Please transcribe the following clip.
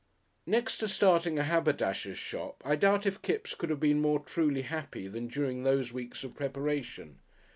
Next to starting a haberdasher's shop I doubt if Kipps could have been more truly happy than during those weeks of preparation.